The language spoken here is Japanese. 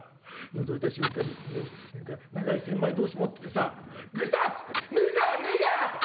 のぞいた瞬間にこんな何か長い千枚通し持っててさグサッつって『目が！目が！』って」。